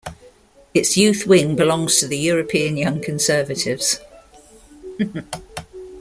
Its youth wing belongs to the European Young Conservatives.